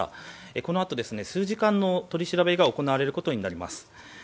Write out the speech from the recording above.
このあと数時間の取り調べが行われることになります。